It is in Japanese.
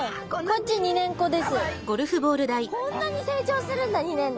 こんなに成長するんだ２年で！